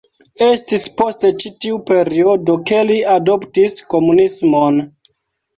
Estis post ĉi tiu periodo ke li adoptis komunismon.